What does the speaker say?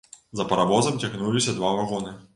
За паравозам цягнуліся два вагоны.